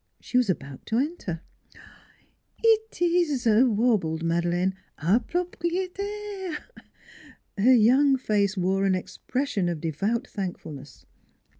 She was about to enter. " It is," warbled Madeleine, " our proprie tairef " Her young face wore an expression of devout thankfulness.